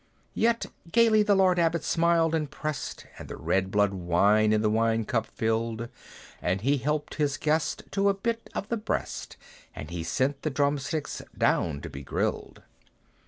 Yet gayly the Lord Abbot smiled, and pressed, And the blood red wine in the wine cup filled; And he helped his guest to a bit of the breast, And he sent the drumsticks down to be grilled.